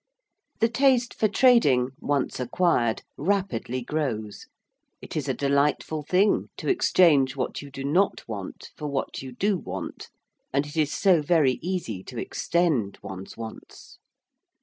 The taste for trading once acquired rapidly grows; it is a delightful thing to exchange what you do not want for what you do want, and it is so very easy to extend one's wants.